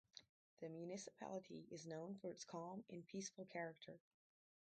The municipality is known for its calm and peaceful character.